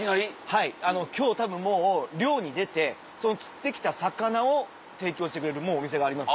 はい今日たぶんもう漁に出てその釣ってきた魚を提供してくれるお店があります。